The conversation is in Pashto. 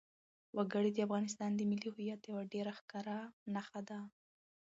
وګړي د افغانستان د ملي هویت یوه ډېره ښکاره نښه ده.